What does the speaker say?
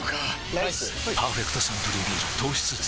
ライス「パーフェクトサントリービール糖質ゼロ」